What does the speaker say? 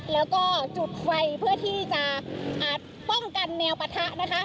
แล้วก็จุดไฟเพื่อที่จะป้องกันแนวปะทะนะคะ